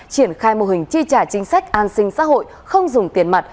triển khai mô hình chi trả chính sách an sinh xã hội không dùng tiền mặt